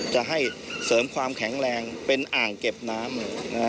จะให้เสริมความแข็งแรงเป็นอ่างเก็บน้ำ